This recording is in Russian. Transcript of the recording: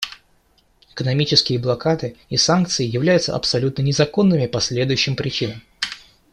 Экономические блокады и санкции являются абсолютно незаконными по следующим причинам.